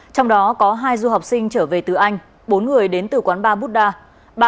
trong đó có hai du học sinh trở về từ anh bốn người đến từ quán ba buddha